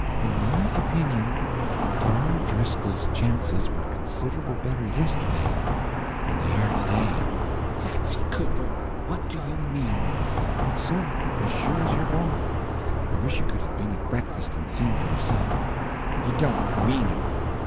In my opinion Tom Driscoll's chances were considerable better yesterday than they are to day." "Patsy Cooper, what do you mean?" "It's so, as sure as you're born. I wish you could 'a' been at breakfast and seen for yourself." "You don't mean it!"